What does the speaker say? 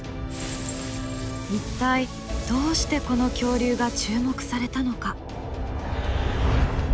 一体どうしてこの恐竜が注目されたのか？